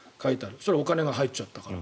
それはお金が入っちゃったから。